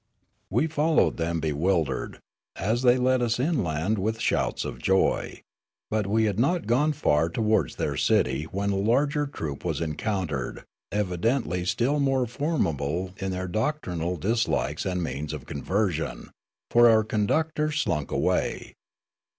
" We followed them bewildered, as they led us inland with shouts of joy. But we had not gone far towards their city when a larger troop was encountered, evid ently still more formidable in their doctrinal dislikes and means of conversion, for our conductors slunk away.